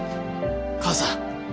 母さん。